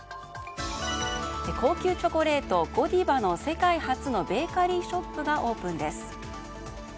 高級チョコレート、ゴディバの世界初のベーカリーショップがオープンです。